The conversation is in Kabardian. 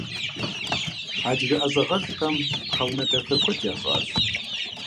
Адыгэ ӀэщӀагъэлӀхэм пхъэ унэ дахэ куэд ящӀащ.